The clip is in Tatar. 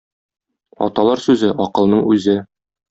Аталар сүзе — акылның үзе.